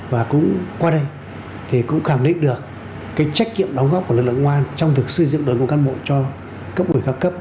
và cũng qua đây thì cũng khẳng định được cái trách nhiệm đóng góp của lực lượng ngoan trong việc xây dựng đội ngũ cán bộ cho cấp ủy cao cấp